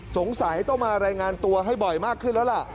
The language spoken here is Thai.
สงสัยต้องมารายงานตัวให้บ่อยมากขึ้นแล้วล่ะ